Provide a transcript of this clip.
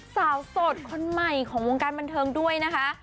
สาวโสดคนใหม่ของวงการบันเทิงด้วยนะคะ